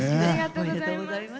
ありがとうございます。